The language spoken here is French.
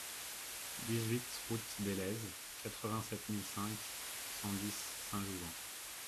dix-huit route des Lèzes, quatre-vingt-sept mille cinq cent dix Saint-Jouvent